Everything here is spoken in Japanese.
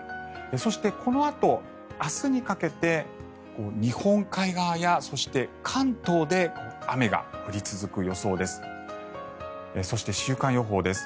そして、このあと明日にかけて日本海側や、そして関東で雨が降り続く予想です。